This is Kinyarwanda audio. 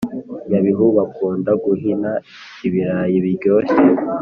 nyabihu bakunda guhina ibirayi biryoshye